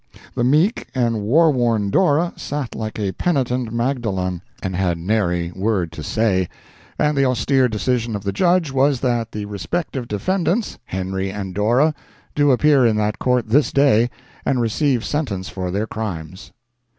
The meek and war worn Dora sat like a penitent Magdalen, and had nary word to say, and the austere decision of the Judge was that the respective defendants, Henry and Dora, do appear in that Court this day, and receive sentence for their crimes.